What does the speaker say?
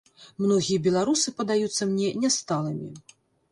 Многія беларусы падаюцца мне нясталымі.